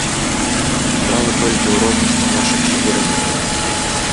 Справа толькі ў рознасці нашых сюзерэнаў.